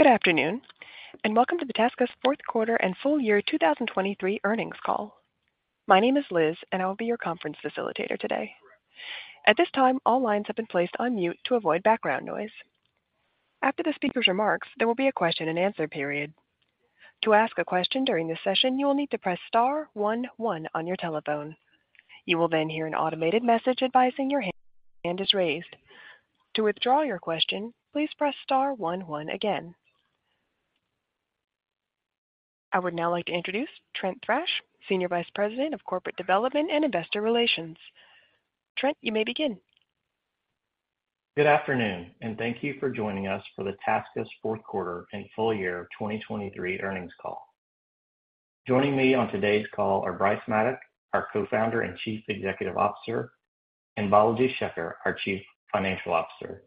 Good afternoon, and welcome to the TaskUs fourth quarter and full year 2023 earnings call. My name is Liz, and I will be your conference facilitator today. At this time, all lines have been placed on mute to avoid background noise. After the speaker's remarks, there will be a question and answer period. To ask a question during this session, you will need to press star one one on your telephone. You will then hear an automated message advising your hand is raised. To withdraw your question, please press star one one again. I would now like to introduce Trent Thrash, Senior Vice President of Corporate Development and Investor Relations. Trent, you may begin. Good afternoon, and thank you for joining us for the TaskUs fourth quarter and full year 2023 earnings call. Joining me on today's call are Bryce Maddock, our Co-Founder and Chief Executive Officer, and Balaji Sekar, our Chief Financial Officer.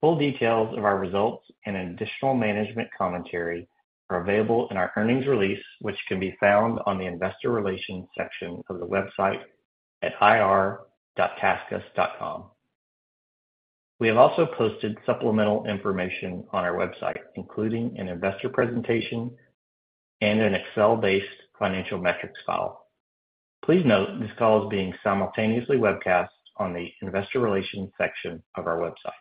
Full details of our results and additional management commentary are available in our earnings release, which can be found on the Investor Relations section of the website at ir.taskus.com. We have also posted supplemental information on our website, including an investor presentation and an Excel-based financial metrics file. Please note this call is being simultaneously webcast on the Investor Relations section of our website.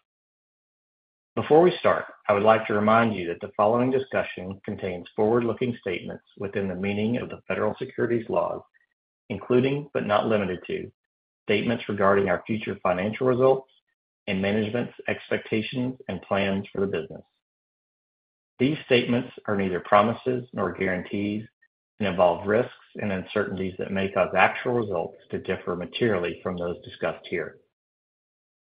Before we start, I would like to remind you that the following discussion contains forward-looking statements within the meaning of the Federal securities laws, including, but not limited to, statements regarding our future financial results and management's expectations and plans for the business. These statements are neither promises nor guarantees, and involve risks and uncertainties that may cause actual results to differ materially from those discussed here.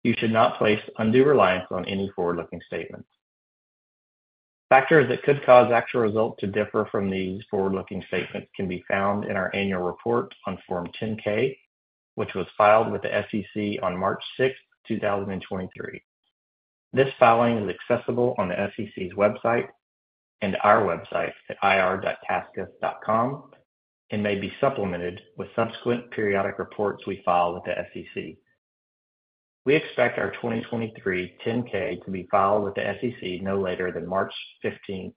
You should not place undue reliance on any forward-looking statements. Factors that could cause actual results to differ from these forward-looking statements can be found in our annual report on Form 10-K, which was filed with the SEC on March 6, 2023. This filing is accessible on the SEC's website and our website at ir.taskus.com, and may be supplemented with subsequent periodic reports we file with the SEC. We expect our 2023 10-K to be filed with the SEC no later than March 15,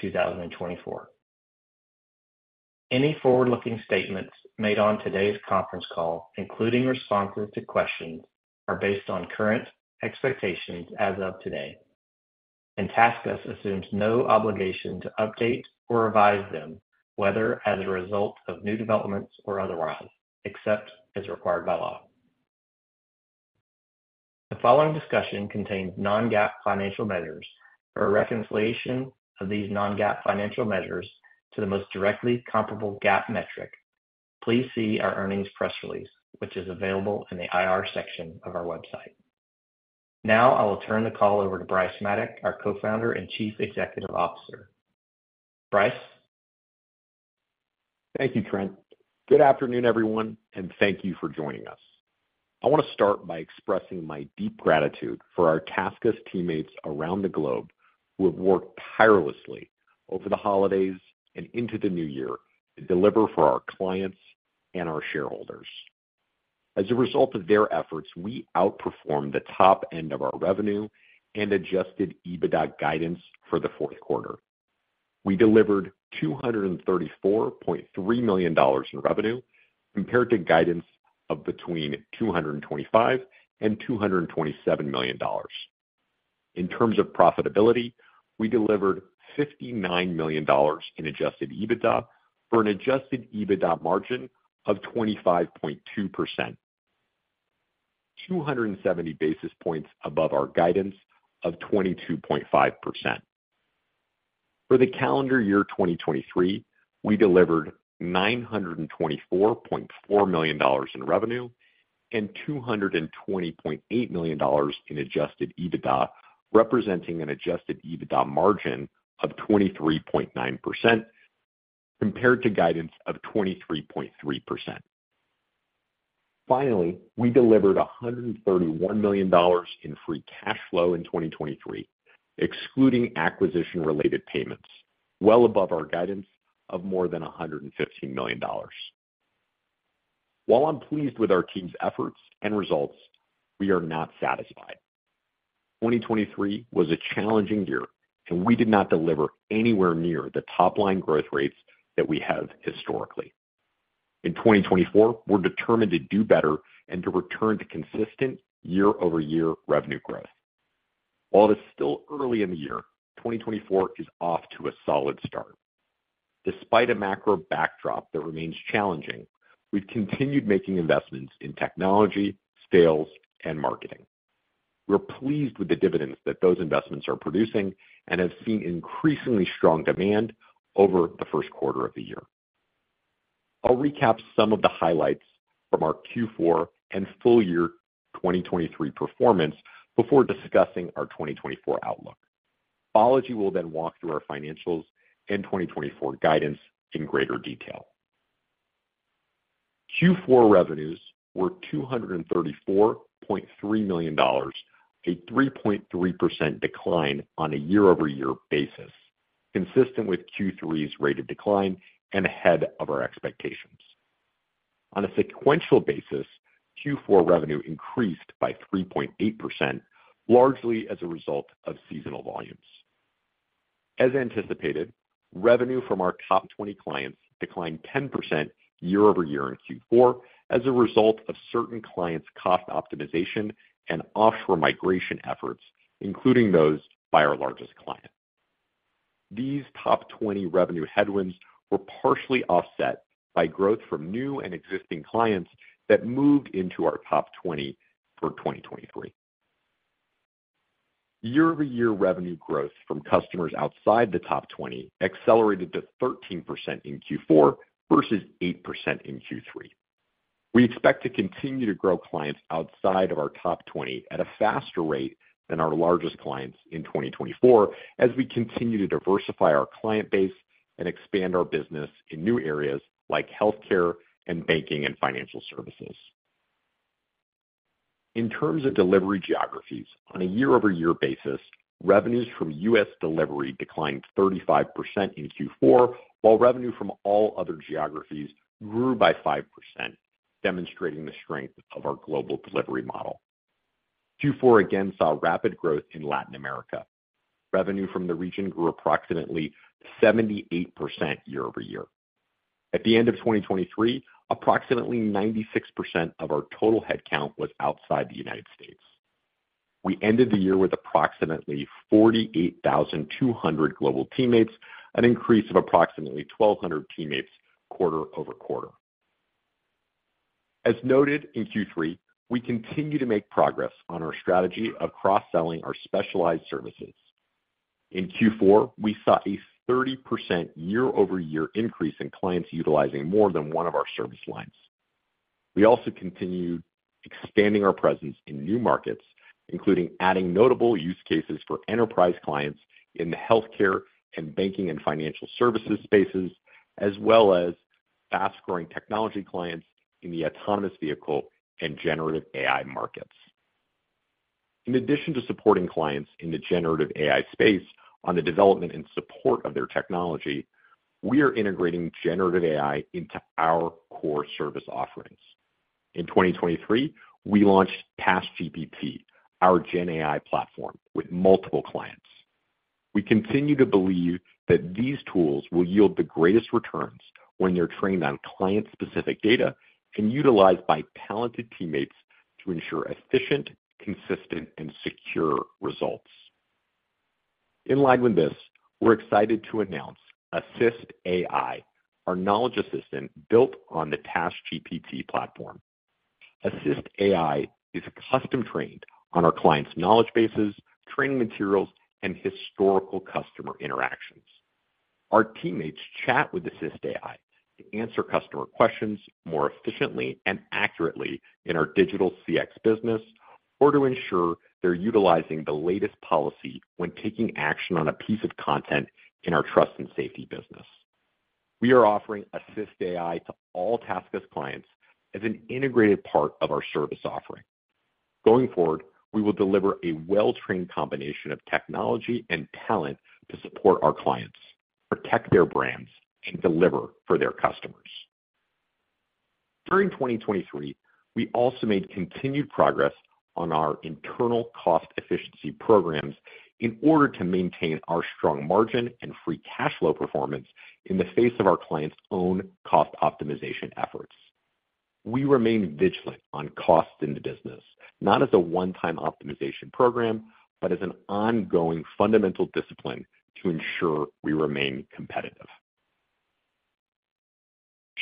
2024. Any forward-looking statements made on today's conference call, including responses to questions, are based on current expectations as of today, and TaskUs assumes no obligation to update or revise them, whether as a result of new developments or otherwise, except as required by law. The following discussion contains non-GAAP financial measures. For a reconciliation of these non-GAAP financial measures to the most directly comparable GAAP metric, please see our earnings press release, which is available in the IR section of our website. Now, I will turn the call over to Bryce Maddock, our Co-Founder and Chief Executive Officer. Bryce? Thank you, Trent. Good afternoon, everyone, and thank you for joining us. I want to start by expressing my deep gratitude for our TaskUs teammates around the globe who have worked tirelessly over the holidays and into the new year to deliver for our clients and our shareholders. As a result of their efforts, we outperformed the top end of our revenue and adjusted EBITDA guidance for the fourth quarter. We delivered $234.3 million in revenue, compared to guidance of between $225 million and $227 million. In terms of profitability, we delivered $59 million in adjusted EBITDA, for an adjusted EBITDA margin of 25.2%, 270 basis points above our guidance of 22.5%. For the calendar year 2023, we delivered $924.4 million in revenue and $220.8 million in adjusted EBITDA, representing an adjusted EBITDA margin of 23.9%, compared to guidance of 23.3%. Finally, we delivered $131 million in free cash flow in 2023, excluding acquisition-related payments, well above our guidance of more than $115 million. While I'm pleased with our team's efforts and results, we are not satisfied. 2023 was a challenging year, and we did not deliver anywhere near the top line growth rates that we have historically. In 2024, we're determined to do better and to return to consistent year-over-year revenue growth. While it is still early in the year, 2024 is off to a solid start. Despite a macro backdrop that remains challenging, we've continued making investments in technology, sales, and marketing. We're pleased with the dividends that those investments are producing and have seen increasingly strong demand over the first quarter of the year. I'll recap some of the highlights from our Q4 and full year 2023 performance before discussing our 2024 outlook. Balaji will then walk through our financials and 2024 guidance in greater detail. Q4 revenues were $234.3 million, a 3.3% decline on a year-over-year basis, consistent with Q3's rate of decline and ahead of our expectations. On a sequential basis, Q4 revenue increased by 3.8%, largely as a result of seasonal volumes. As anticipated, revenue from our top 20 clients declined 10% year-over-year in Q4 as a result of certain clients' cost optimization and offshore migration efforts, including those by our largest client. These top 20 revenue headwinds were partially offset by growth from new and existing clients that moved into our top 20 for 2023. Year-over-year revenue growth from customers outside the top 20 accelerated to 13% in Q4 versus 8% in Q3. We expect to continue to grow clients outside of our top 20 at a faster rate than our largest clients in 2024, as we continue to diversify our client base and expand our business in new areas like healthcare and banking and financial services. In terms of delivery geographies, on a year-over-year basis, revenues from U.S. delivery declined 35% in Q4, while revenue from all other geographies grew by 5%, demonstrating the strength of our global delivery model. Q4 again saw rapid growth in Latin America. Revenue from the region grew approximately 78% year-over-year. At the end of 2023, approximately 96% of our total headcount was outside the United States. We ended the year with approximately 48,200 global teammates, an increase of approximately 1,200 teammates quarter-over-quarter. As noted in Q3, we continue to make progress on our strategy of cross-selling our specialized services. In Q4, we saw a 30% year-over-year increase in clients utilizing more than one of our service lines. We also continued expanding our presence in new markets, including adding notable use cases for enterprise clients in the healthcare and banking and financial services spaces, as well as fast-growing technology clients in the autonomous vehicle and generative AI markets. In addition to supporting clients in the generative AI space on the development and support of their technology, we are integrating generative AI into our core service offerings. In 2023, we launched TaskGPT, our GenAI platform, with multiple clients. We continue to believe that these tools will yield the greatest returns when they're trained on client-specific data and utilized by talented teammates to ensure efficient, consistent, and secure results. In line with this, we're excited to announce AssistAI, our knowledge assistant, built on the TaskGPT platform. AssistAI is custom trained on our clients' knowledge bases, training materials, and historical customer interactions. Our teammates chat with AssistAI to answer customer questions more efficiently and accurately in our digital CX business, or to ensure they're utilizing the latest policy when taking action on a piece of content in our Trust and Safety business. We are offering AssistAI to all TaskUs clients as an integrated part of our service offering. Going forward, we will deliver a well-trained combination of technology and talent to support our clients, protect their brands, and deliver for their customers. During 2023, we also made continued progress on our internal cost efficiency programs in order to maintain our strong margin and free cash flow performance in the face of our clients' own cost optimization efforts. We remain vigilant on cost in the business, not as a one-time optimization program, but as an ongoing fundamental discipline to ensure we remain competitive.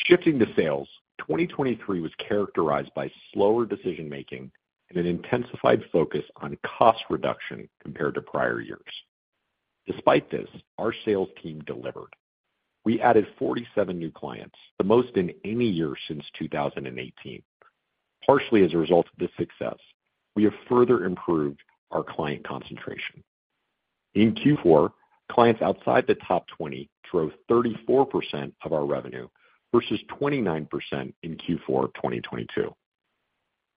Shifting to sales, 2023 was characterized by slower decision-making and an intensified focus on cost reduction compared to prior years. Despite this, our sales team delivered. We added 47 new clients, the most in any year since 2018. Partially as a result of this success, we have further improved our client concentration. In Q4, clients outside the top 20 drove 34% of our revenue, versus 29% in Q4 of 2022.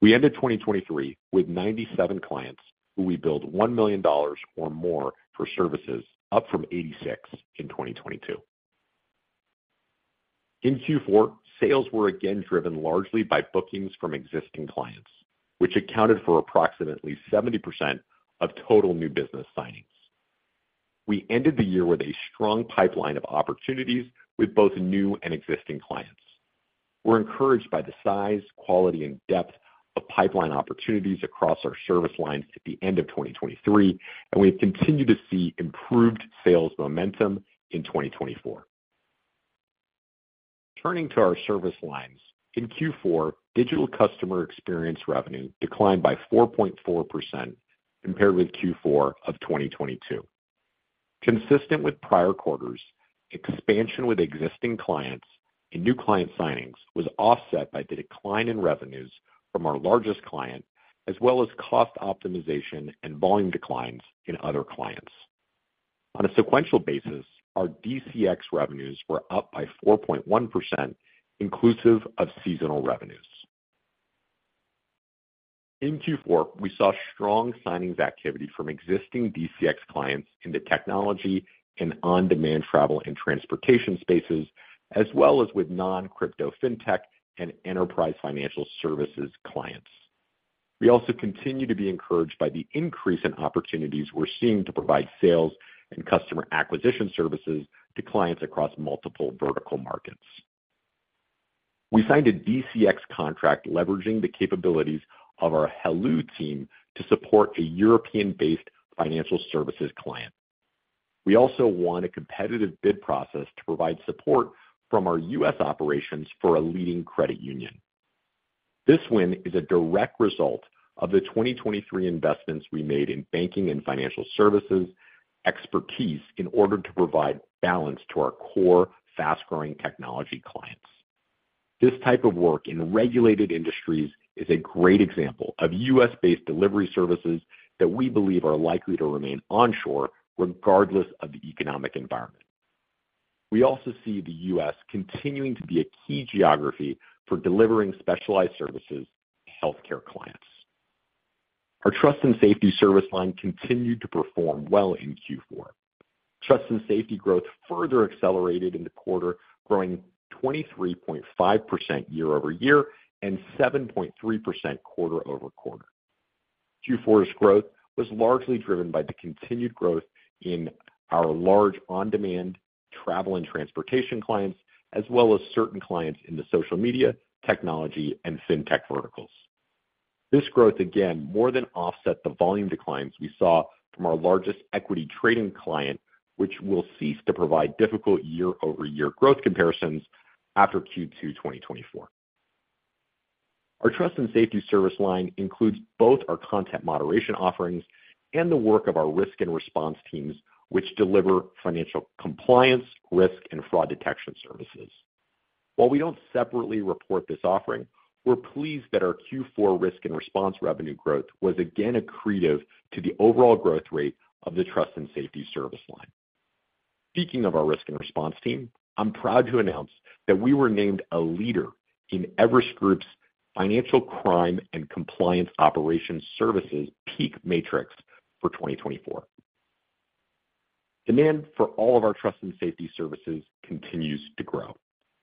We ended 2023 with 97 clients, who we billed $1 million or more for services, up from 86 in 2022. In Q4, sales were again driven largely by bookings from existing clients, which accounted for approximately 70% of total new business signings. We ended the year with a strong pipeline of opportunities with both new and existing clients. We're encouraged by the size, quality, and depth of pipeline opportunities across our service lines at the end of 2023, and we have continued to see improved sales momentum in 2024. Turning to our service lines. In Q4, Digital Customer Experience revenue declined by 4.4% compared with Q4 of 2022. Consistent with prior quarters, expansion with existing clients and new client signings was offset by the decline in revenues from our largest client, as well as cost optimization and volume declines in other clients. On a sequential basis, our DCX revenues were up by 4.1%, inclusive of seasonal revenues. In Q4, we saw strong signings activity from existing DCX clients in the technology and on-demand travel and transportation spaces, as well as with non-crypto fintech and enterprise financial services clients. We also continue to be encouraged by the increase in opportunities we're seeing to provide sales and customer acquisition services to clients across multiple vertical markets. We signed a DCX contract leveraging the capabilities of our heloo team to support a European-based financial services client. We also won a competitive bid process to provide support from our U.S. operations for a leading credit union. This win is a direct result of the 2023 investments we made in banking and financial services expertise in order to provide balance to our core fast-growing technology clients. This type of work in regulated industries is a great example of U.S.-based delivery services that we believe are likely to remain onshore regardless of the economic environment. We also see the U.S. continuing to be a key geography for delivering specialized services to healthcare clients. Our Trust and Safety service line continued to perform well in Q4. Trust and Safety growth further accelerated in the quarter, growing 23.5% year-over-year and 7.3% quarter-over-quarter. Q4's growth was largely driven by the continued growth in our large on-demand travel and transportation clients, as well as certain clients in the social media, technology, and fintech verticals. This growth, again, more than offset the volume declines we saw from our largest equity trading client, which will cease to provide difficult year-over-year growth comparisons after Q2 2024. Our Trust and Safety service line includes both our content moderation offerings and the work of our Risk and Response teams, which deliver financial compliance, risk, and fraud detection services. While we don't separately report this offering, we're pleased that our Q4 Risk and Response revenue growth was again accretive to the overall growth rate of the Trust and Safety service line. Speaking of our Risk and Response team, I'm proud to announce that we were named a leader in Everest Group's Financial Crime and Compliance Operations Services PEAK Matrix for 2024. Demand for all of our Trust and Safety services continues to grow.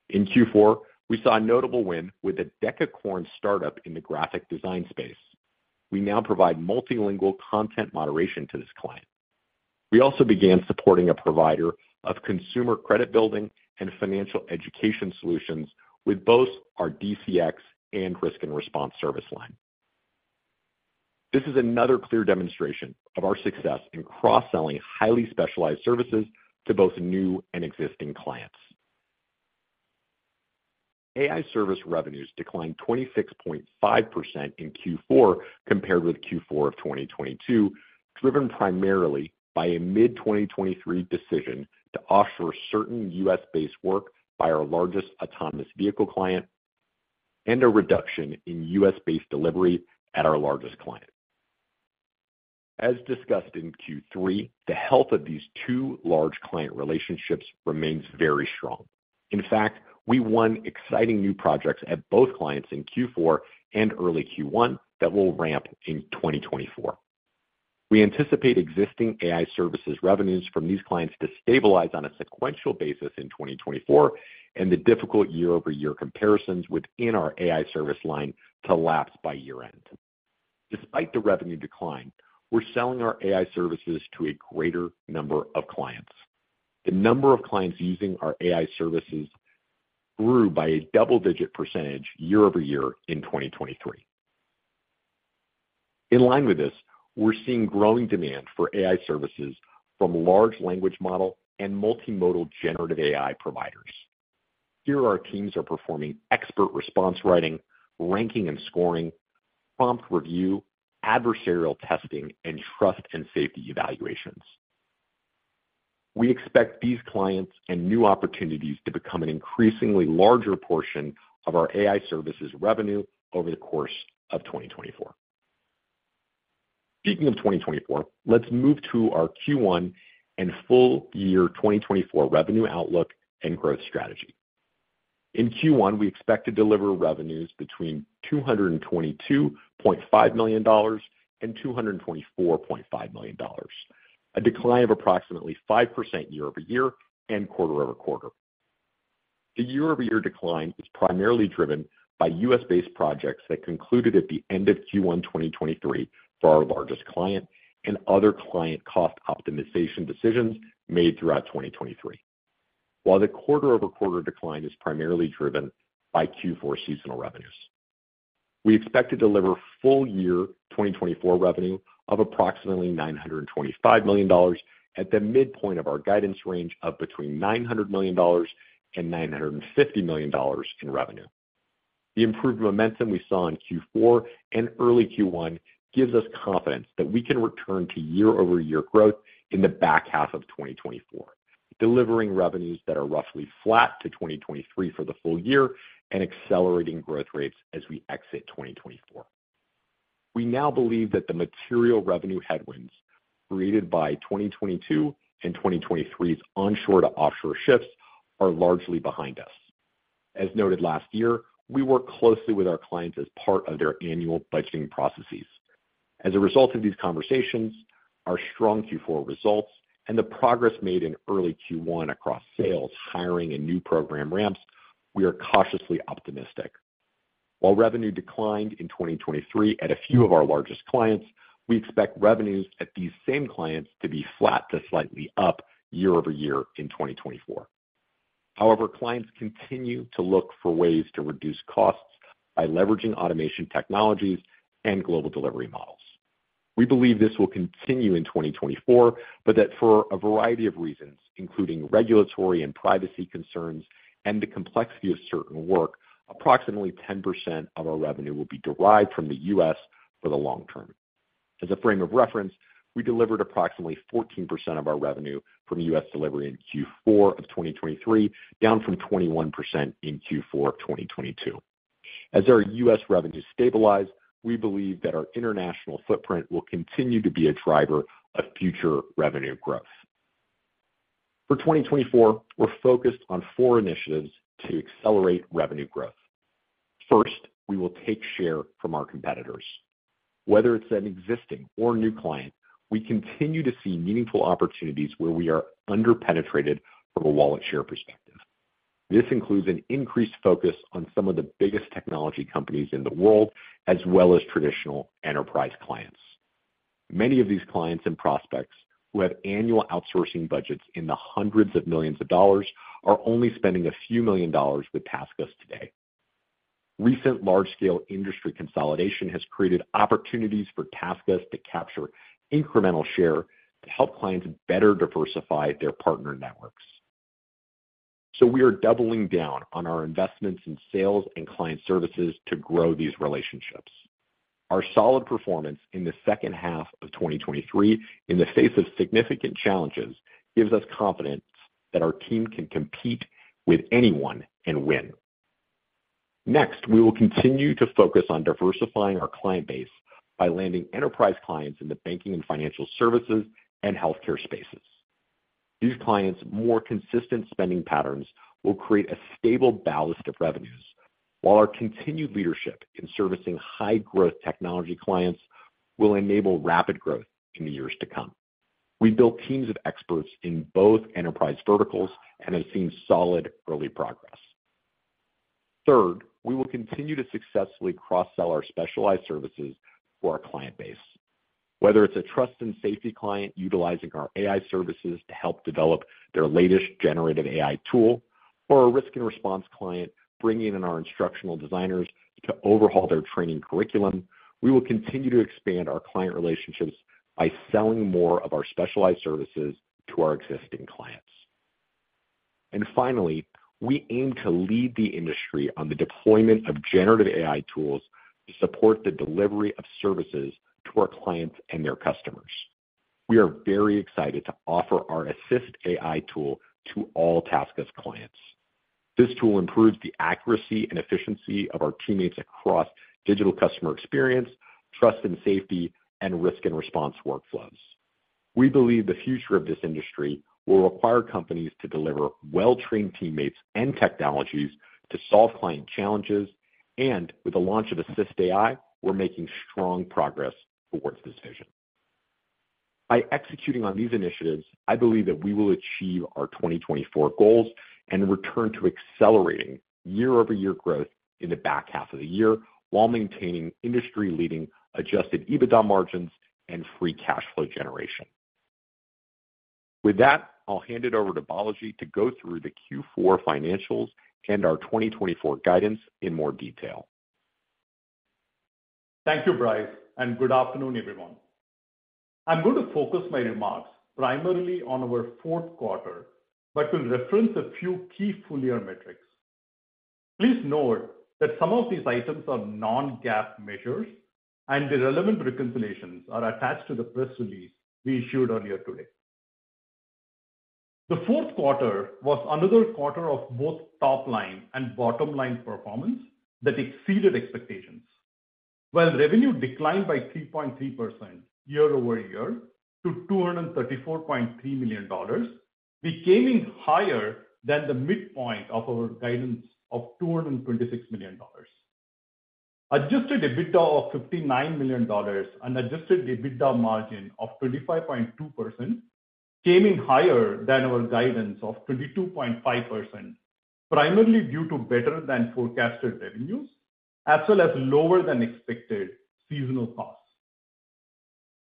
In Q4, we saw a notable win with a decacorn startup in the graphic design space. We now provide multilingual content moderation to this client. We also began supporting a provider of consumer credit building and financial education solutions with both our DCX and Risk and Response service line. This is another clear demonstration of our success in cross-selling highly specialized services to both new and existing clients. AI Services revenues declined 26.5% in Q4 compared with Q4 of 2022, driven primarily by a mid-2023 decision to offshore certain U.S.-based work by our largest autonomous vehicle client and a reduction in U.S.-based delivery at our largest client. As discussed in Q3, the health of these two large client relationships remains very strong. In fact, we won exciting new projects at both clients in Q4 and early Q1 that will ramp in 2024. We anticipate existing AI Services revenues from these clients to stabilize on a sequential basis in 2024, and the difficult year-over-year comparisons within our AI Services line to lapse by year-end. Despite the revenue decline, we're selling our AI Services to a greater number of clients. The number of clients using our AI Services grew by a double-digit percentage year-over-year in 2023. In line with this, we're seeing growing demand for AI Services from large language model and multimodal generative AI providers. Here, our teams are performing expert response writing, ranking and scoring, prompt review, adversarial testing, and Trust and Safety evaluations. We expect these clients and new opportunities to become an increasingly larger portion of our AI Services revenue over the course of 2024. Speaking of 2024, let's move to our Q1 and full year 2024 revenue outlook and growth strategy. In Q1, we expect to deliver revenues between $222.5 million and $224.5 million, a decline of approximately 5% year-over-year and quarter-over-quarter. The year-over-year decline is primarily driven by U.S.-based projects that concluded at the end of Q1 2023 for our largest client and other client cost optimization decisions made throughout 2023. While the quarter-over-quarter decline is primarily driven by Q4 seasonal revenues. We expect to deliver full year 2024 revenue of approximately $925 million at the midpoint of our guidance range of between $900 million and $950 million in revenue. The improved momentum we saw in Q4 and early Q1 gives us confidence that we can return to year-over-year growth in the back half of 2024, delivering revenues that are roughly flat to 2023 for the full year and accelerating growth rates as we exit 2024. We now believe that the material revenue headwinds created by 2022 and 2023's onshore to offshore shifts are largely behind us. As noted last year, we work closely with our clients as part of their annual budgeting processes. As a result of these conversations, our strong Q4 results and the progress made in early Q1 across sales, hiring, and new program ramps, we are cautiously optimistic. While revenue declined in 2023 at a few of our largest clients, we expect revenues at these same clients to be flat to slightly up year-over-year in 2024. However, clients continue to look for ways to reduce costs by leveraging automation technologies and global delivery models. We believe this will continue in 2024, but that for a variety of reasons, including regulatory and privacy concerns and the complexity of certain work, approximately 10% of our revenue will be derived from the U.S. for the long term. As a frame of reference, we delivered approximately 14% of our revenue from U.S. delivery in Q4 of 2023, down from 21% in Q4 of 2022. As our U.S. revenues stabilize, we believe that our international footprint will continue to be a driver of future revenue growth. For 2024, we're focused on four initiatives to accelerate revenue growth. First, we will take share from our competitors. Whether it's an existing or new client, we continue to see meaningful opportunities where we are under-penetrated from a wallet share perspective. This includes an increased focus on some of the biggest technology companies in the world, as well as traditional enterprise clients. Many of these clients and prospects, who have annual outsourcing budgets in the hundreds of millions of dollars, are only spending a few million of dollars with TaskUs today. Recent large-scale industry consolidation has created opportunities for TaskUs to capture incremental share to help clients better diversify their partner networks. So we are doubling down on our investments in sales and client services to grow these relationships. Our solid performance in the second half of 2023, in the face of significant challenges, gives us confidence that our team can compete with anyone and win. Next, we will continue to focus on diversifying our client base by landing enterprise clients in the banking and financial services and healthcare spaces. These clients' more consistent spending patterns will create a stable ballast of revenues, while our continued leadership in servicing high-growth technology clients will enable rapid growth in the years to come. We've built teams of experts in both enterprise verticals and have seen solid early progress. Third, we will continue to successfully cross-sell our specialized services to our client base. Whether it's a Trust and Safety client utilizing our AI Services to help develop their latest generative AI tool, or a Risk and Response client bringing in our instructional designers to overhaul their training curriculum, we will continue to expand our client relationships by selling more of our specialized services to our existing clients. And finally, we aim to lead the industry on the deployment of generative AI tools to support the delivery of services to our clients and their customers. We are very excited to offer our AssistAI tool to all TaskUs clients. This tool improves the accuracy and efficiency of our teammates across Digital Customer Experience, Trust and Safety, and Risk and Response workflows. We believe the future of this industry will require companies to deliver well-trained teammates and technologies to solve client challenges, and with the launch of AssistAI, we're making strong progress towards this vision. By executing on these initiatives, I believe that we will achieve our 2024 goals and return to accelerating year-over-year growth in the back half of the year, while maintaining industry-leading adjusted EBITDA margins and free cash flow generation. With that, I'll hand it over to Balaji to go through the Q4 financials and our 2024 guidance in more detail. Thank you, Bryce, and good afternoon, everyone. I'm going to focus my remarks primarily on our fourth quarter, but will reference a few key full year metrics. Please note that some of these items are non-GAAP measures, and the relevant reconciliations are attached to the press release we issued earlier today. The fourth quarter was another quarter of both top line and bottom line performance that exceeded expectations. While revenue declined by 3.3% year-over-year to $234.3 million, we came in higher than the midpoint of our guidance of $226 million. Adjusted EBITDA of $59 million and adjusted EBITDA margin of 25.2% came in higher than our guidance of 22.5%, primarily due to better than forecasted revenues, as well as lower than expected seasonal costs.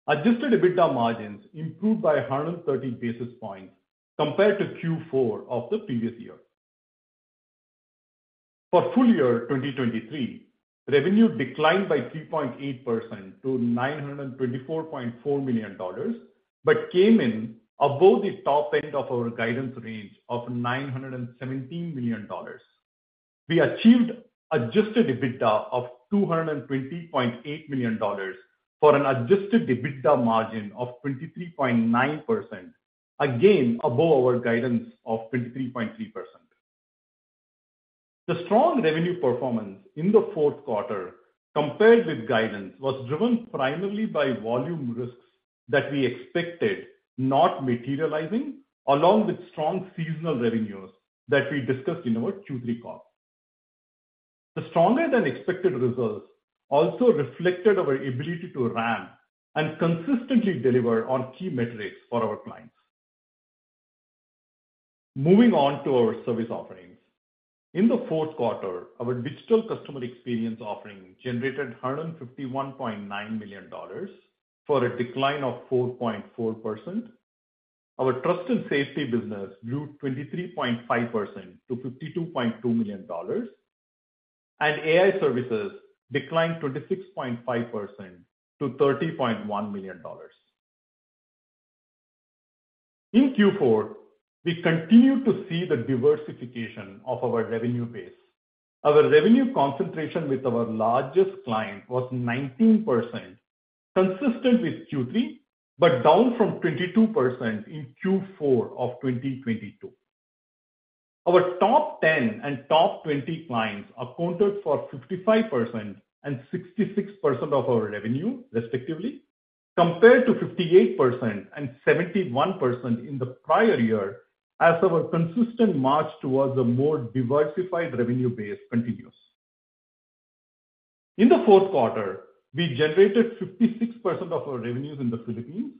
Adjusted EBITDA margins improved by 100 basis points compared to Q4 of the previous year. For full year 2023, revenue declined by 3.8% to $924.4 million, but came in above the top end of our guidance range of $917 million. We achieved adjusted EBITDA of $220.8 million, for an adjusted EBITDA margin of 23.9%, again, above our guidance of 23.3%. The strong revenue performance in the fourth quarter compared with guidance was driven primarily by volume risks that we expected not materializing, along with strong seasonal revenues that we discussed in our Q3 call. The stronger than expected results also reflected our ability to ramp and consistently deliver on key metrics for our clients. Moving on to our service offerings. In the fourth quarter, our Digital Customer Experience offering generated $151.9 million, for a decline of 4.4%. Our Trust and Safety business grew 23.5% to $52.2 million, and AI Services declined 26.5% to $30.1 million. In Q4, we continued to see the diversification of our revenue base. Our revenue concentration with our largest client was 19%, consistent with Q3, but down from 22% in Q4 of 2022. Our top 10 and top 20 clients accounted for 55% and 66% of our revenue, respectively, compared to 58% and 71% in the prior year, as our consistent march towards a more diversified revenue base continues. In the fourth quarter, we generated 56% of our revenues in the Philippines,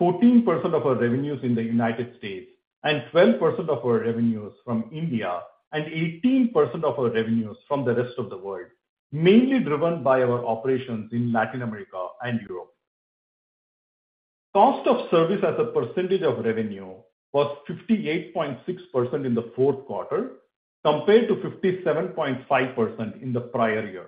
14% of our revenues in the United States, and 12% of our revenues from India, and 18% of our revenues from the rest of the world, mainly driven by our operations in Latin America and Europe. Cost of service as a percentage of revenue was 58.6% in the fourth quarter, compared to 57.5% in the prior year.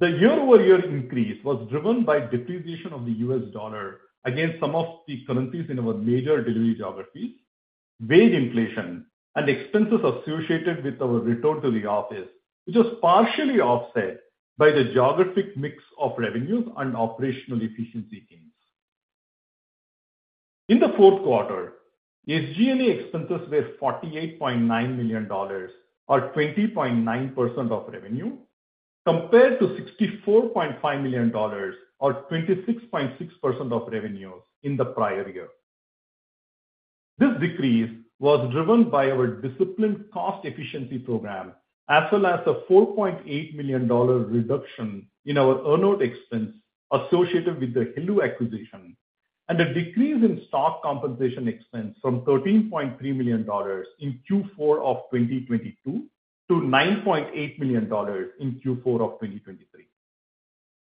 The year-over-year increase was driven by depreciation of the U.S. dollar against some of the currencies in our major delivery geographies, wage inflation and expenses associated with our return to the office, which was partially offset by the geographic mix of revenues and operational efficiency gains. In the fourth quarter, SG&A expenses were $48.9 million, or 20.9% of revenue, compared to $64.5 million or 26.6% of revenues in the prior year. This decrease was driven by our disciplined cost efficiency program, as well as a $4.8 million reduction in our earnout expense associated with the heloo acquisition, and a decrease in stock compensation expense from $13.3 million in Q4 of 2022 to $9.8 million in Q4 of 2023.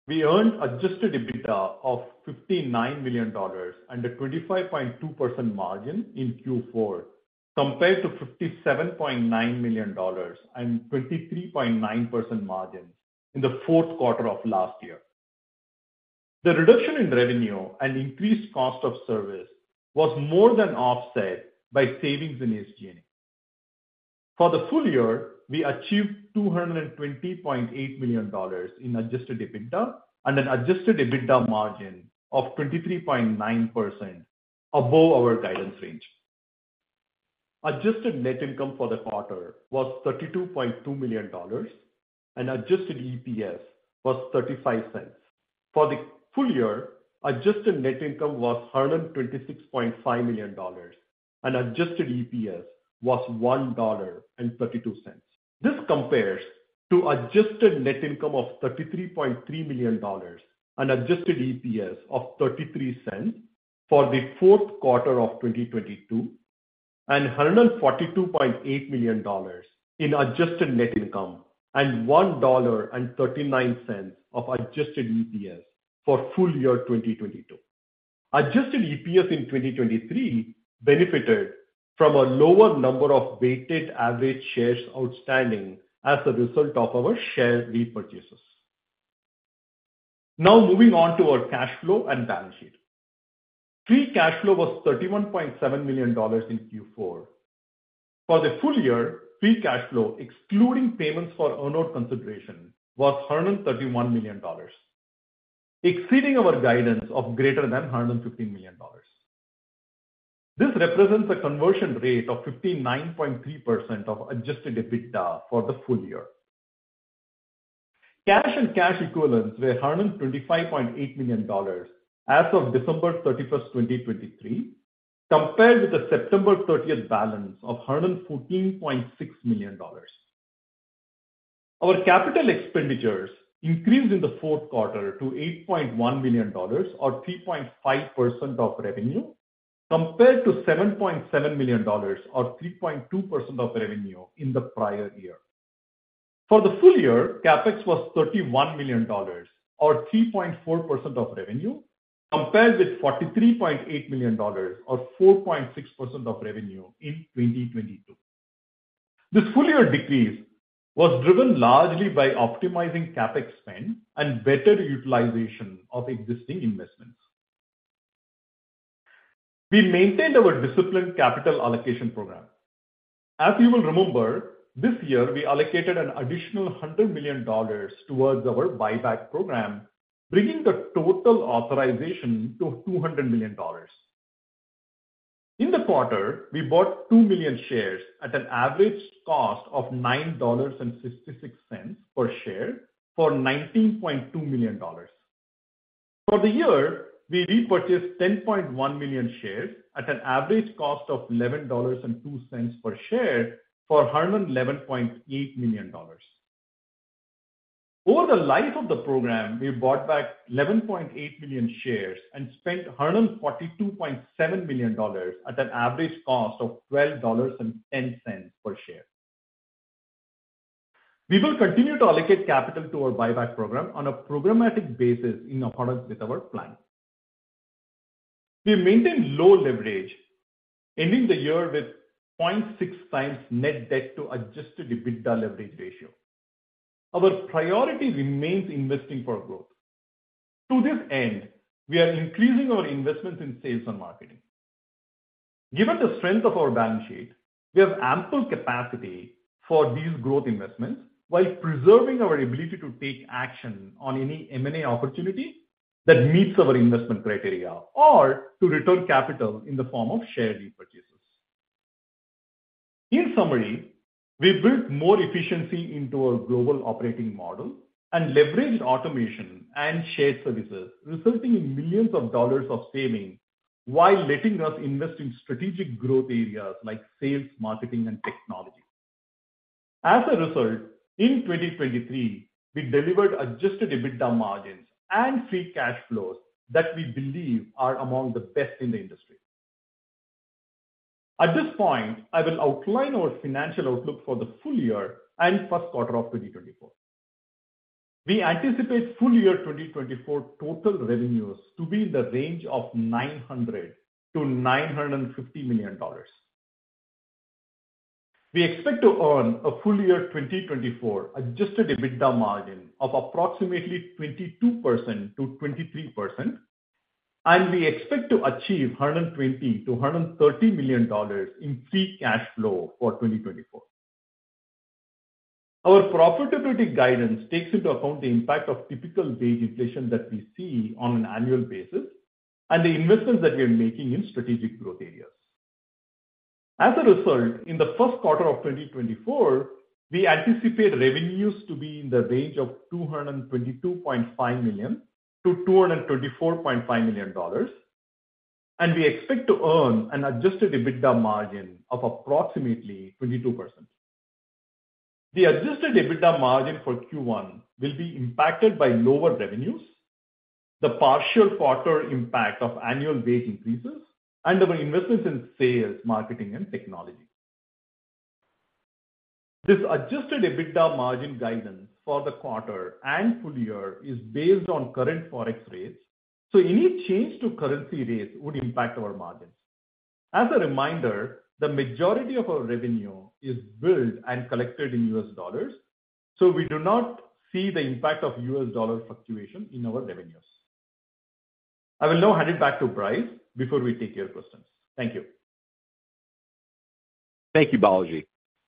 We earned adjusted EBITDA of $59 million and a 25.2% margin in Q4, compared to $57.9 million and 23.9% margins in the fourth quarter of last year. The reduction in revenue and increased cost of service was more than offset by savings in SG&A. For the full year, we achieved $220.8 million in adjusted EBITDA and an adjusted EBITDA margin of 23.9% above our guidance range. Adjusted net income for the quarter was $32.2 million, and adjusted EPS was $0.35. For the full year, adjusted net income was $126.5 million, and adjusted EPS was $1.32. This compares to adjusted net income of $33.3 million and adjusted EPS of $0.33 for the fourth quarter of 2022, and $142.8 million in adjusted net income, and $1.39 of adjusted EPS for full year 2022. Adjusted EPS in 2023 benefited from a lower number of weighted average shares outstanding as a result of our share repurchases. Now moving on to our cash flow and balance sheet. Free cash flow was $31.7 million in Q4. For the full year, free cash flow, excluding payments for earnout consideration, was $131 million, exceeding our guidance of greater than $150 million. This represents a conversion rate of 59.3% of adjusted EBITDA for the full year. Cash and cash equivalents were $125.8 million as of December 31st, 2023, compared with the September 30th balance of $114.6 million. Our capital expenditures increased in the fourth quarter to $8.1 million or 3.5% of revenue, compared to $7.7 million or 3.2% of revenue in the prior year. For the full year, CapEx was $31 million, or 3.4% of revenue, compared with $43.8 million or 4.6% of revenue in 2022. This full year decrease was driven largely by optimizing CapEx spend and better utilization of existing investments. We maintained our disciplined capital allocation program. As you will remember, this year we allocated an additional $100 million towards our buyback program, bringing the total authorization to $200 million. In the quarter, we bought two million shares at an average cost of $9.66 per share for $19.2 million. For the year, we repurchased 10.1 million shares at an average cost of $11.02 per share for $111.8 million. Over the life of the program, we bought back 11.8 million shares and spent $142.7 million at an average cost of $12.10 per share. We will continue to allocate capital to our buyback program on a programmatic basis in accordance with our plan. We maintain low leverage, ending the year with 0.6x net debt to adjusted EBITDA leverage ratio. Our priority remains investing for growth. To this end, we are increasing our investments in sales and marketing. Given the strength of our balance sheet, we have ample capacity for these growth investments while preserving our ability to take action on any M&A opportunity that meets our investment criteria, or to return capital in the form of share repurchases. In summary, we built more efficiency into our global operating model and leveraged automation and shared services, resulting in millions of dollars of savings, while letting us invest in strategic growth areas like sales, marketing, and technology. As a result, in 2023, we delivered adjusted EBITDA margins and free cash flow that we believe are among the best in the industry. At this point, I will outline our financial outlook for the full year and first quarter of 2024. We anticipate full year 2024 total revenues to be in the range of $900 million-$950 million. We expect to earn a full year 2024 adjusted EBITDA margin of approximately 22%-23%, and we expect to achieve $120 million-$130 million in free cash flow for 2024. Our profitability guidance takes into account the impact of typical wage inflation that we see on an annual basis and the investments that we are making in strategic growth areas. As a result, in the first quarter of 2024, we anticipate revenues to be in the range of $222.5 million-$224.5 million, and we expect to earn an adjusted EBITDA margin of approximately 22%. The adjusted EBITDA margin for Q1 will be impacted by lower revenues, the partial quarter impact of annual wage increases, and our investments in sales, marketing, and technology. This adjusted EBITDA margin guidance for the quarter and full year is based on current forex rates, so any change to currency rates would impact our margins. As a reminder, the majority of our revenue is billed and collected in U.S. dollars, so we do not see the impact of U.S. dollar fluctuation in our revenues. I will now hand it back to Bryce before we take your questions. Thank you. Thank you, Balaji.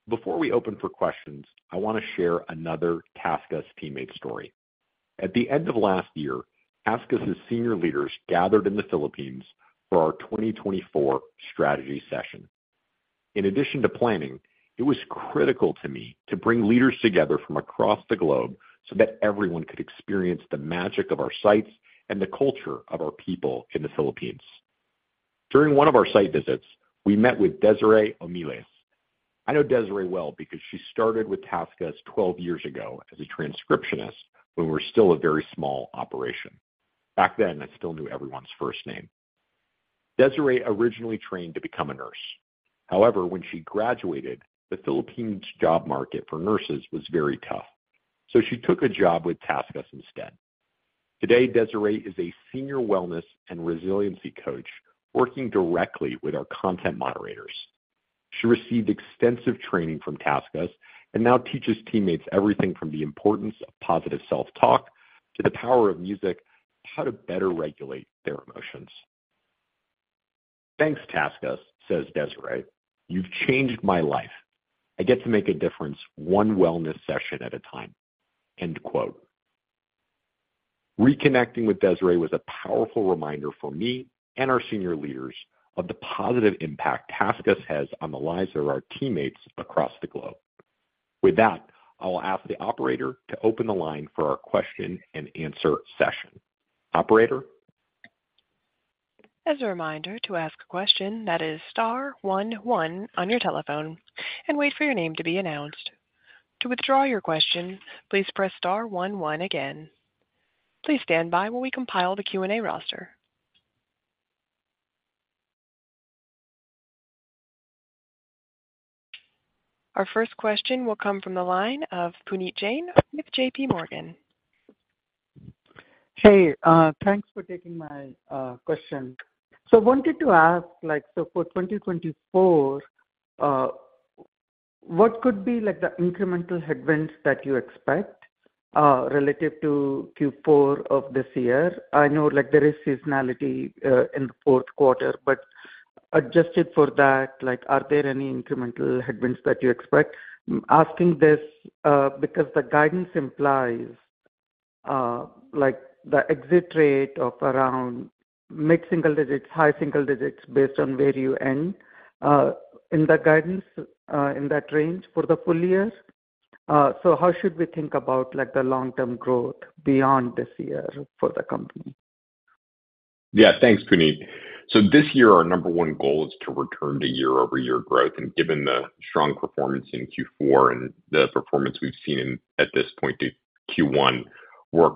Before we open for questions, I want to share another TaskUs teammate story. At the end of last year, TaskUs' senior leaders gathered in the Philippines for our 2024 strategy session. In addition to planning, it was critical to me to bring leaders together from across the globe so that everyone could experience the magic of our sites and the culture of our people in the Philippines. During one of our site visits, we met with Desiree Omiles. I know Desiree well because she started with TaskUs 12 years ago as a transcriptionist, when we were still a very small operation. Back then, I still knew everyone's first name. Desiree originally trained to become a nurse. However, when she graduated, the Philippines job market for nurses was very tough, so she took a job with TaskUs instead. Today, Desiree is a Senior Wellness and Resiliency Coach, working directly with our content moderators. She received extensive training from TaskUs and now teaches teammates everything from the importance of positive self-talk to the power of music, how to better regulate their emotions. "Thanks, TaskUs," says Desiree. "You've changed my life. I get to make a difference one wellness session at a time." End quote. Reconnecting with Desiree was a powerful reminder for me and our senior leaders of the positive impact TaskUs has on the lives of our teammates across the globe. With that, I will ask the operator to open the line for our question-and-answer session. Operator? As a reminder, to ask a question, that is star one one on your telephone and wait for your name to be announced. To withdraw your question, please press star one one again. Please stand by while we compile the Q&A roster. Our first question will come from the line of Puneet Jain with JPMorgan. Hey, thanks for taking my question. I wanted to ask, like, so for 2024, what could be like the incremental headwinds that you expect, relative to Q4 of this year? I know, like, there is seasonality in the fourth quarter, but adjusted for that, like, are there any incremental headwinds that you expect? I'm asking this because the guidance implies like the exit rate of around mid-single digits, high single digits based on where you end in the guidance in that range for the full year. So how should we think about, like, the long-term growth beyond this year for the company? Yeah, thanks, Puneet. So this year, our number one goal is to return to year-over-year growth, and given the strong performance in Q4 and the performance we've seen in, at this point through Q1, we're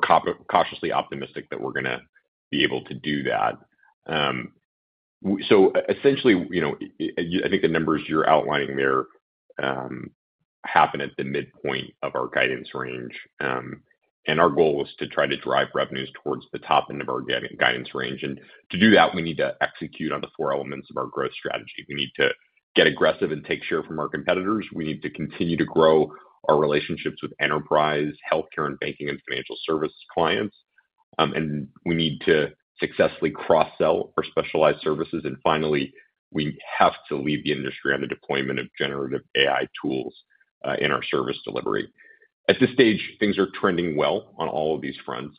cautiously optimistic that we're gonna be able to do that. So essentially, you know, I think the numbers you're outlining there happen at the midpoint of our guidance range. And our goal is to try to drive revenues towards the top end of our guidance range. And to do that, we need to execute on the four elements of our growth strategy. We need to get aggressive and take share from our competitors, we need to continue to grow our relationships with enterprise, healthcare, and banking, and financial service clients, and we need to successfully cross-sell our specialized services. Finally, we have to lead the industry on the deployment of generative AI tools in our service delivery. At this stage, things are trending well on all of these fronts.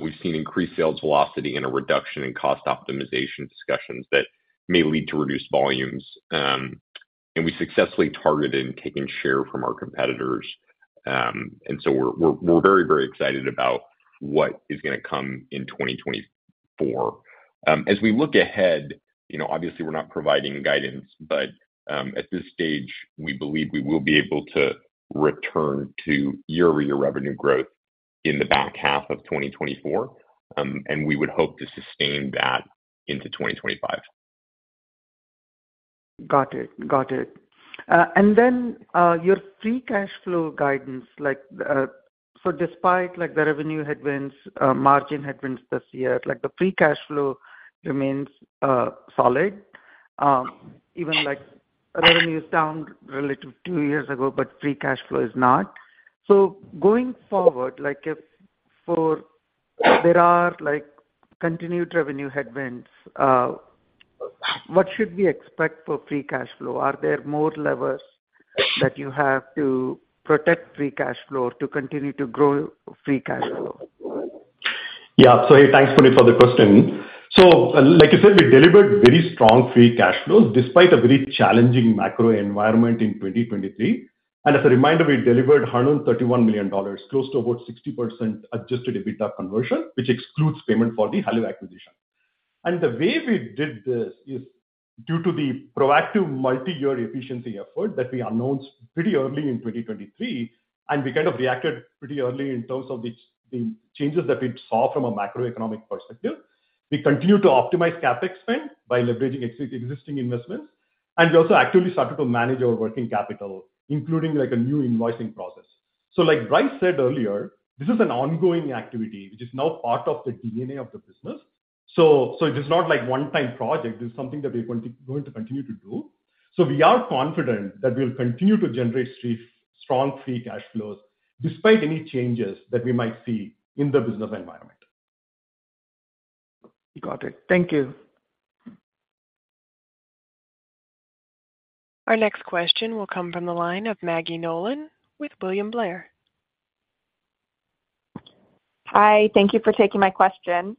We've seen increased sales velocity and a reduction in cost optimization discussions that may lead to reduced volumes. And we successfully targeted and taken share from our competitors. And so we're very, very excited about what is gonna come in 2024. As we look ahead, you know, obviously, we're not providing guidance, but at this stage, we believe we will be able to return to year-over-year revenue growth in the back half of 2024, and we would hope to sustain that into 2025. Got it. Got it. And then, your free cash flow guidance, like, so despite, like, the revenue headwinds, margin headwinds this year, like, the free cash flow remains solid. Even like revenue is down relative two years ago, but free cash flow is not. So going forward, like, if there are, like, continued revenue headwinds, what should we expect for free cash flow? Are there more levers that you have to protect free cash flow to continue to grow free cash flow? Yeah. So hey, thanks, Puneet, for the question. So like I said, we delivered very strong free cash flows despite a very challenging macro environment in 2023. And as a reminder, we delivered $131 million, close to about 60% adjusted EBITDA conversion, which excludes payment for the heloo acquisition. And the way we did this is due to the proactive multi-year efficiency effort that we announced pretty early in 2023, and we kind of reacted pretty early in terms of the changes that we saw from a macroeconomic perspective. We continued to optimize CapEx spend by leveraging existing investments, and we also actively started to manage our working capital, including, like, a new invoicing process. So like Bryce said earlier, this is an ongoing activity, which is now part of the DNA of the business. So it is not like one-time project, this is something that we're going to continue to do. So we are confident that we'll continue to generate strong free cash flows despite any changes that we might see in the business environment. Got it. Thank you. Our next question will come from the line of Maggie Nolan with William Blair. Hi, thank you for taking my question.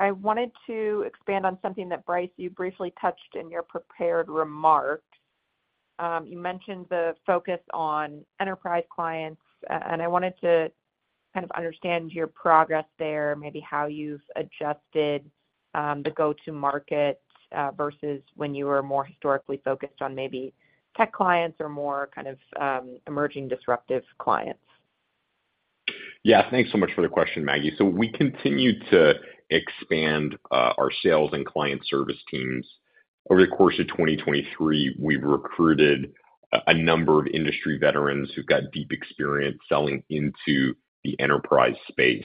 I wanted to expand on something that, Bryce, you briefly touched in your prepared remarks. You mentioned the focus on enterprise clients, and I wanted to kind of understand your progress there, maybe how you've adjusted, the go-to market, versus when you were more historically focused on maybe tech clients or more kind of, emerging disruptive clients. Yeah, thanks so much for the question, Maggie. So we continue to expand our sales and client service teams. Over the course of 2023, we've recruited a number of industry veterans who've got deep experience selling into the enterprise space.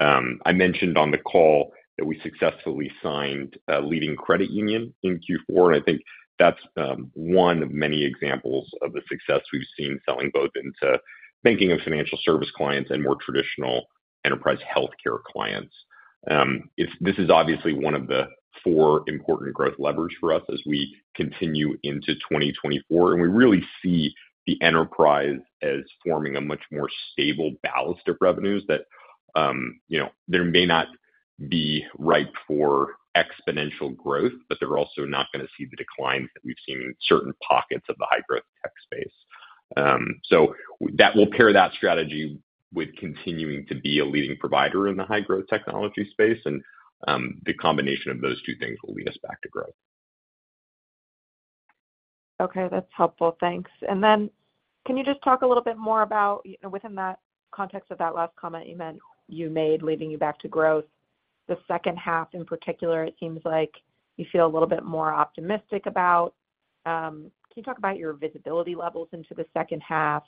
I mentioned on the call that we successfully signed a leading credit union in Q4, and I think that's one of many examples of the success we've seen selling both into banking and financial service clients and more traditional enterprise healthcare clients. This is obviously one of the four important growth levers for us as we continue into 2024, and we really see the enterprise as forming a much more stable ballast of revenues that, you know, there may not be ripe for exponential growth, but they're also not gonna see the declines that we've seen in certain pockets of the high-growth tech space. So with that, we'll pair that strategy with continuing to be a leading provider in the high-growth technology space, and, the combination of those two things will lead us back to growth. Okay, that's helpful. Thanks. And then, can you just talk a little bit more about, within that context of that last comment you made, leading you back to growth, the second half, in particular, it seems like you feel a little bit more optimistic about. Can you talk about your visibility levels into the second half?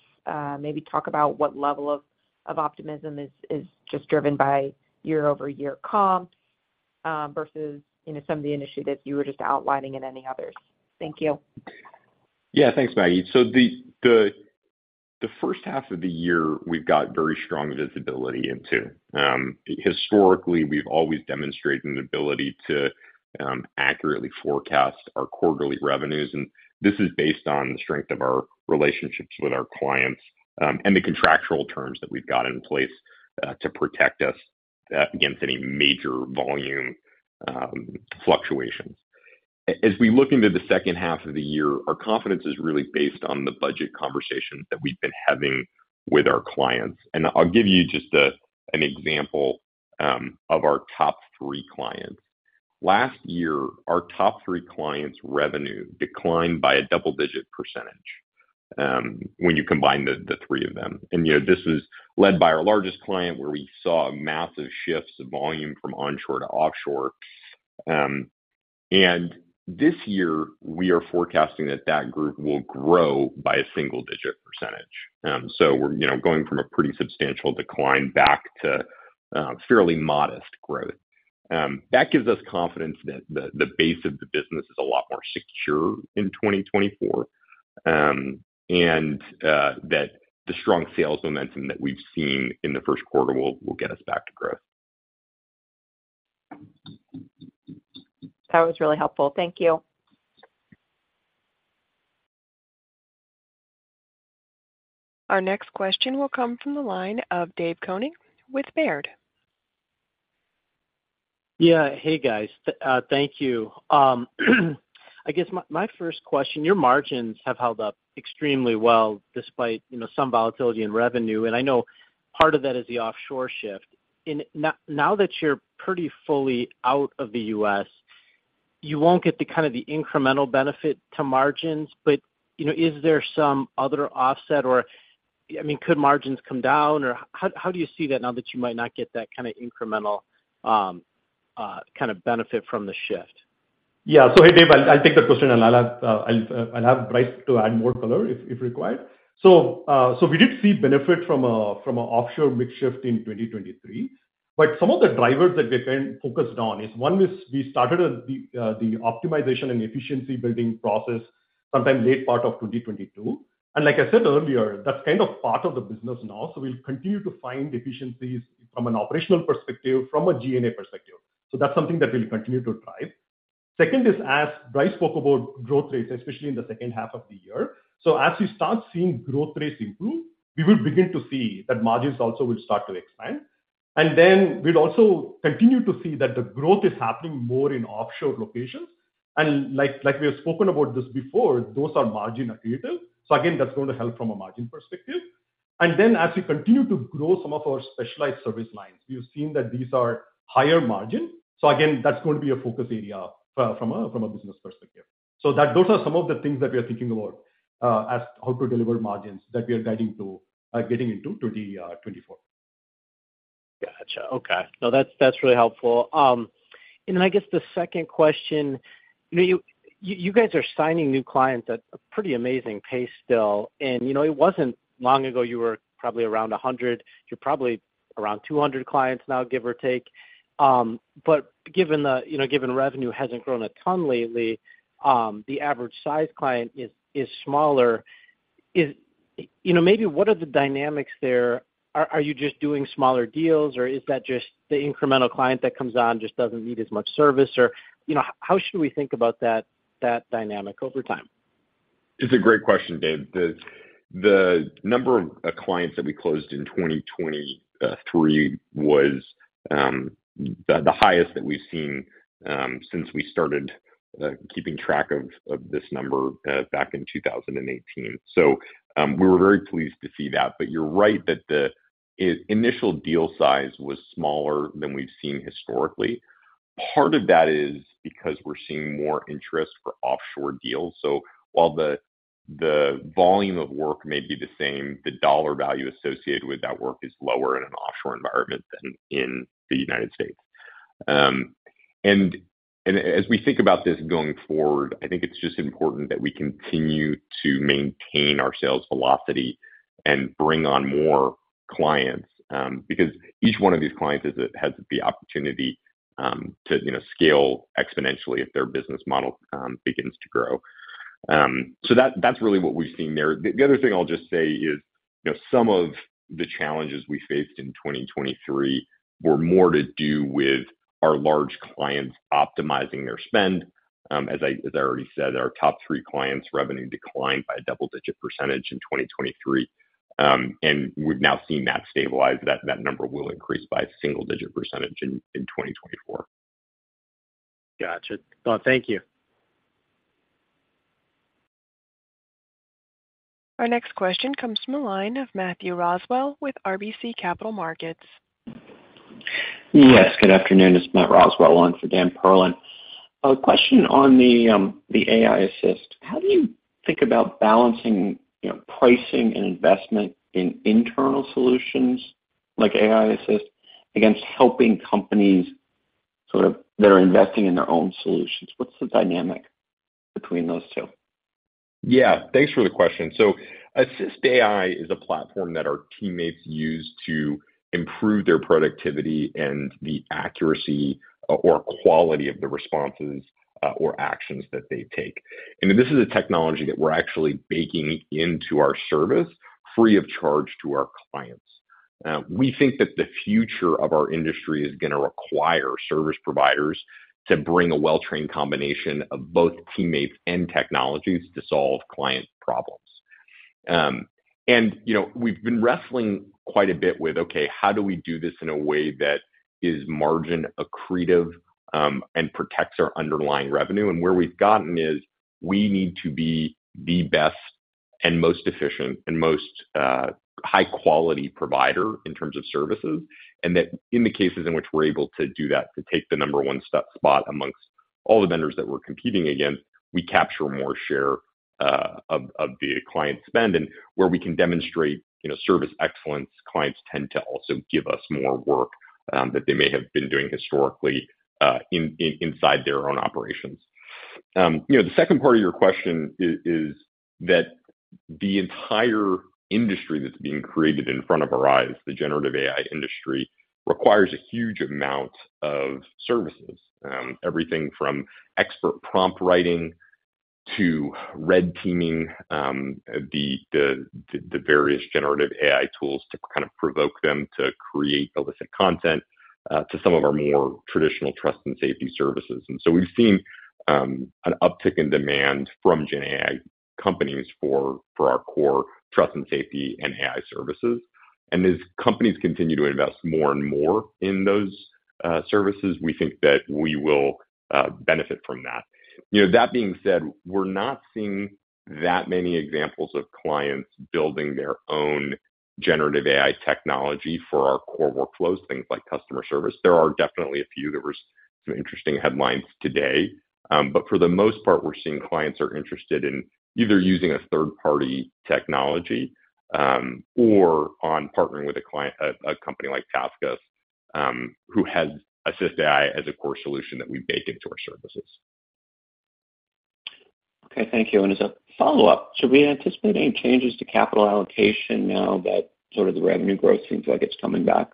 Maybe talk about what level of optimism is just driven by year-over-year comp, versus, you know, some of the initiatives you were just outlining and any others. Thank you. Yeah, thanks, Maggie. So the first half of the year, we've got very strong visibility into. Historically, we've always demonstrated an ability to accurately forecast our quarterly revenues, and this is based on the strength of our relationships with our clients, and the contractual terms that we've got in place to protect us up against any major volume fluctuations. As we look into the second half of the year, our confidence is really based on the budget conversations that we've been having with our clients. And I'll give you just an example of our top three clients. Last year, our top three clients' revenue declined by a double-digit percentage when you combine the three of them. And, you know, this is led by our largest client, where we saw massive shifts of volume from onshore to offshore. This year, we are forecasting that that group will grow by a single-digit percentage. So we're, you know, going from a pretty substantial decline back to, fairly modest growth. That gives us confidence that the, the base of the business is a lot more secure in 2024, and, that the strong sales momentum that we've seen in the first quarter will, will get us back to growth. That was really helpful. Thank you. Our next question will come from the line of Dave Koning with Baird. Yeah. Hey, guys. Thank you. I guess my first question: your margins have held up extremely well, despite, you know, some volatility in revenue, and I know part of that is the offshore shift. And now that you're pretty fully out of the U.S., you won't get the kind of the incremental benefit to margins, but, you know, is there some other offset? Or, I mean, could margins come down, or how do you see that now that you might not get that kind of incremental, kind of benefit from the shift? Yeah. So hey, Dave, I'll take that question, and I'll have Bryce to add more color if required. So we did see benefit from an offshore mix shift in 2023, but some of the drivers that we're kind of focused on is, one, is we started the optimization and efficiency building process sometime late part of 2022. And like I said earlier, that's kind of part of the business now, so we'll continue to find efficiencies from an operational perspective, from a SG&A perspective. So that's something that we'll continue to drive. Second is, as Bryce spoke about growth rates, especially in the second half of the year, so as we start seeing growth rates improve, we will begin to see that margins also will start to expand. And then we'll also continue to see that the growth is happening more in offshore locations, and like we have spoken about this before, those are margin accretive. So again, that's going to help from a margin perspective. And then as we continue to grow some of our specialized service lines, we've seen that these are higher margin. So again, that's going to be a focus area from a business perspective. So that those are some of the things that we are thinking about as how to deliver margins that we are guiding to getting into 2024. Gotcha. Okay. No, that's really helpful. And then I guess the second question: you know, you guys are signing new clients at a pretty amazing pace still, and, you know, it wasn't long ago, you were probably around 100. You're probably around 200 clients now, give or take. But given the, you know, given revenue hasn't grown a ton lately, the average size client is smaller. Is. You know, maybe what are the dynamics there? Are you just doing smaller deals, or is that just the incremental client that comes on, just doesn't need as much service? Or, you know, how should we think about that dynamic over time? It's a great question, Dave. The number of clients that we closed in 2023 was the highest that we've seen since we started keeping track of this number back in 2018. So we were very pleased to see that. But you're right that the initial deal size was smaller than we've seen historically. Part of that is because we're seeing more interest for offshore deals. So while the volume of work may be the same, the dollar value associated with that work is lower in an offshore environment than in the United States. As we think about this going forward, I think it's just important that we continue to maintain our sales velocity and bring on more clients, because each one of these clients has the opportunity, to, you know, scale exponentially if their business model begins to grow. So that, that's really what we've seen there. The other thing I'll just say is, you know, some of the challenges we faced in 2023 were more to do with our large clients optimizing their spend. As I already said, our top three clients' revenue declined by a double-digit percentage in 2023, and we've now seen that stabilize. That number will increase by a single-digit percentage in 2024. Gotcha. Well, thank you. Our next question comes from the line of Matthew Roswell with RBC Capital Markets. Yes, good afternoon. It's Matt Roswell on for Dan Perlin. A question on the AI Assist. How do you think about balancing, you know, pricing and investment in internal solutions, like AI Assist, against helping companies sort of, that are investing in their own solutions? What's the dynamic between those two? Yeah, thanks for the question. So AssistAI is a platform that our teammates use to improve their productivity and the accuracy or, or quality of the responses, or actions that they take. And this is a technology that we're actually baking into our service free of charge to our clients. We think that the future of our industry is gonna require service providers to bring a well-trained combination of both teammates and technologies to solve clients' problems. And, you know, we've been wrestling quite a bit with, okay, how do we do this in a way that is margin accretive, and protects our underlying revenue? Where we've gotten is, we need to be the best and most efficient and most high-quality provider in terms of services, and that in the cases in which we're able to do that, to take the number one spot amongst all the vendors that we're competing against, we capture more share of the client spend. Where we can demonstrate, you know, service excellence, clients tend to also give us more work that they may have been doing historically inside their own operations. You know, the second part of your question is that the entire industry that's being created in front of our eyes, the generative AI industry, requires a huge amount of services. Everything from expert prompt writing to red teaming, the various generative AI tools to kind of provoke them to create illicit content, to some of our more traditional Trust and Safety services. And so we've seen an uptick in demand from GenAI companies for our core Trust and Safety and AI Services. And as companies continue to invest more and more in those services, we think that we will benefit from that. You know, that being said, we're not seeing that many examples of clients building their own generative AI technology for our core workflows, things like customer service. There are definitely a few. There was some interesting headlines today, but for the most part, we're seeing clients are interested in either using a third-party technology, or partnering with a company like TaskUs, who has AssistAI as a core solution that we bake into our services. Okay, thank you. As a follow-up, should we anticipate any changes to capital allocation now that sort of the revenue growth seems like it's coming back?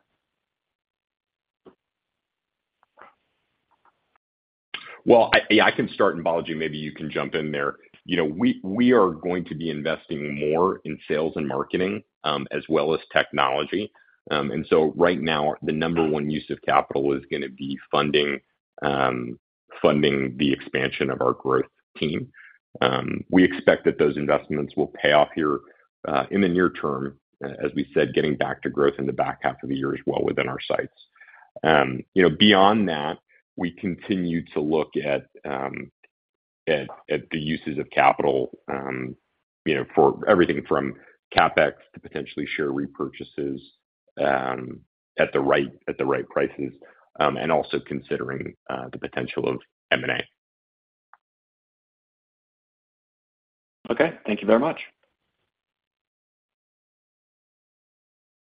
Well, yeah, I can start, and Balaji, maybe you can jump in there. You know, we are going to be investing more in sales and marketing, as well as technology. And so right now, the number one use of capital is gonna be funding the expansion of our growth team. We expect that those investments will pay off here in the near term, as we said, getting back to growth in the back half of the year as well, within our sights. You know, beyond that, we continue to look at the uses of capital, you know, for everything from CapEx to potentially share repurchases, at the right prices, and also considering the potential of M&A. Okay, thank you very much.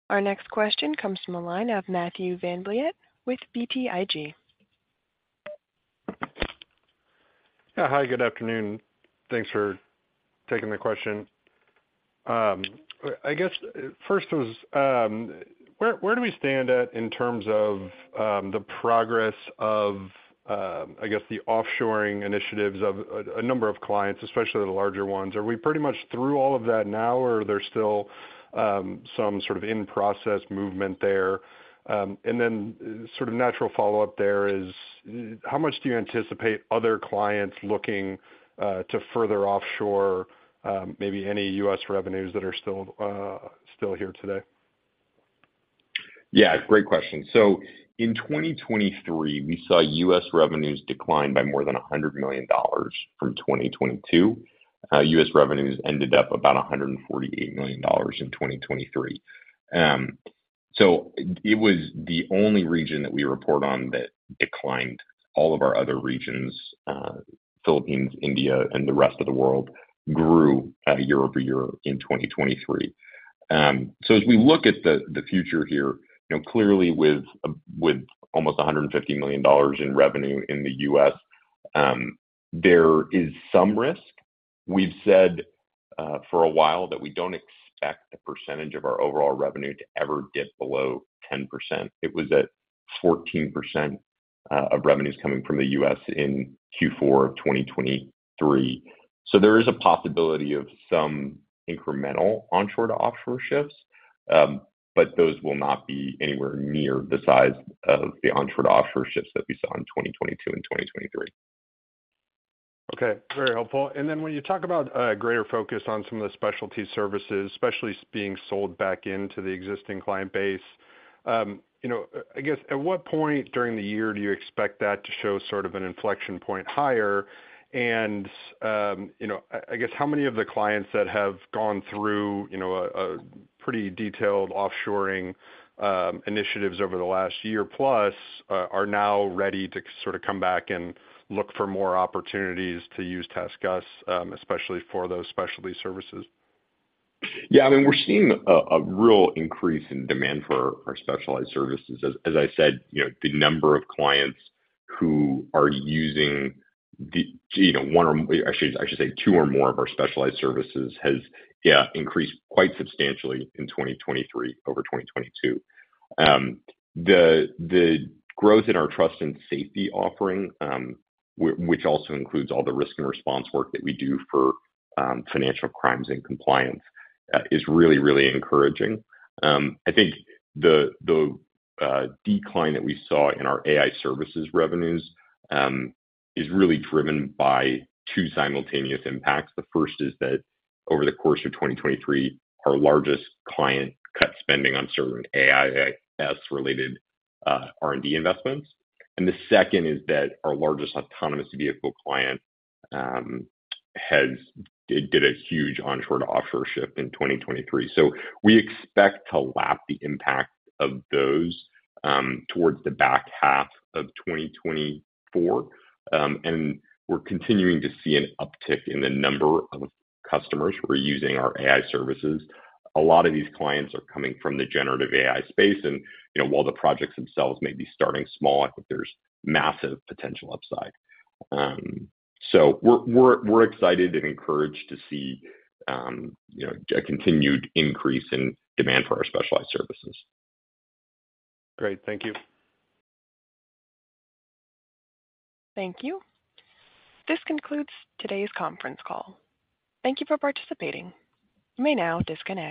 Our next question comes from the line of Matthew VanVliet with BTIG. Yeah, hi, good afternoon. Thanks for taking the question. I guess, first was, where do we stand at in terms of, the progress of, I guess, the offshoring initiatives of a number of clients, especially the larger ones? Are we pretty much through all of that now, or are there still, some sort of in-process movement there? And then sort of natural follow-up there is, how much do you anticipate other clients looking to further offshore, maybe any U.S. revenues that are still here today? Yeah, great question. So in 2023, we saw U.S. revenues decline by more than $100 million from 2022. U.S. revenues ended up about $148 million in 2023. So it was the only region that we report on that declined. All of our other regions, Philippines, India, and the rest of the world, grew at a year-over-year in 2023. So as we look at the future here, you know, clearly with almost $150 million in revenue in the U.S., there is some risk. We've said for a while that we don't expect the percentage of our overall revenue to ever dip below 10%. It was at 14% of revenues coming from the U.S. in Q4 of 2023. There is a possibility of some incremental onshore to offshore shifts, but those will not be anywhere near the size of the onshore to offshore shifts that we saw in 2022 and 2023. Okay, very helpful. And then when you talk about a greater focus on some of the specialty services, especially being sold back into the existing client base, you know, I guess, at what point during the year do you expect that to show sort of an inflection point higher? And, you know, I guess, how many of the clients that have gone through, you know, a pretty detailed offshoring initiatives over the last year plus, are now ready to sort of come back and look for more opportunities to use TaskUs, especially for those specialty services? Yeah, I mean, we're seeing a real increase in demand for our specialized services. As I said, you know, the number of clients who are using, you know, one or more. Actually, I should say two or more of our specialized services has, yeah, increased quite substantially in 2023 over 2022. The growth in our Trust and Safety offering, which also includes all the Risk and Response work that we do for financial crimes and compliance, is really, really encouraging. I think the decline that we saw in our AI Services revenues is really driven by two simultaneous impacts. The first is that over the course of 2023, our largest client cut spending on certain AI-related R&D investments, and the second is that our largest autonomous vehicle client did a huge onshore to offshore shift in 2023. So we expect to lap the impact of those towards the back half of 2024. And we're continuing to see an uptick in the number of customers who are using our AI Services. A lot of these clients are coming from the generative AI space, and, you know, while the projects themselves may be starting small, I think there's massive potential upside. So we're excited and encouraged to see, you know, a continued increase in demand for our specialized services. Great. Thank you. Thank you. This concludes today's conference call. Thank you for participating. You may now disconnect.